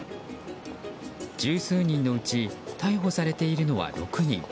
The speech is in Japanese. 十数人のうち逮捕されているのは６人。